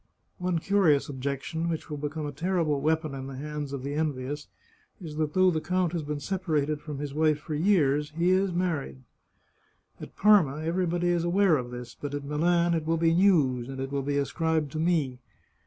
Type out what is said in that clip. One curious objection, which will become a terrible weapon in the hands of the envious, is, that though the count has been separated from his wife for years, he is married. At Parma everybody is aware of this, but at Milan it will be news, and it will be ascribed to me.